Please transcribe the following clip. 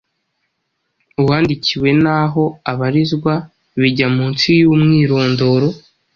Uwandikiwe n’aho abarizwa: Bijya munsi y’umwirondoro